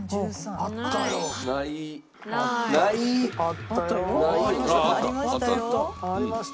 あった！